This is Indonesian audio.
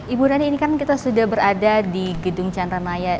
ibu nani ini kan kita sudah berada di gedung chandranaya